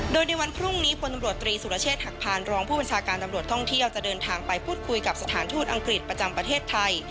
โดยในวันพรุ่งนี้พลตำรวจตรีสุรเชษฐหักพานรองผู้บัญชาการตำรวจท่องเที่ยวจะเดินทางไปพูดคุยกับสถานทูตอังกฤษประจำประเทศไทย